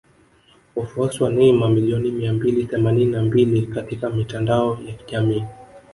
Wafuasi wa Neymar milioni mia mbili themanini na mbili katika mitandao ya kijamii